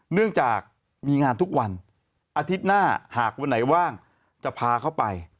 เนื่องจากมีงานทุกวันอาทิตย์หน้าหากวันไหนว่างจะพาเขาไป